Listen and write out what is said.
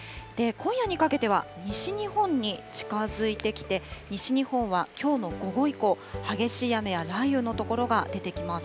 今夜にかけては、西日本に近づいてきて、西日本はきょうの午後以降、激しい雨や雷雨の所が出てきます。